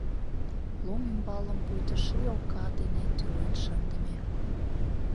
Лум ӱмбалым пуйто ший ока дене тӱрлен шындыме.